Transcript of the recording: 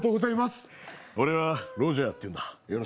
俺はロジャーっていうんだ。